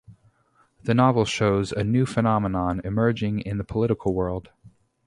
The novel shows a new phenomenon emerging in the political world.